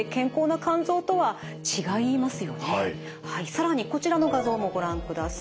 更にこちらの画像もご覧ください。